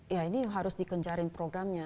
ya ini harus dikejarin programnya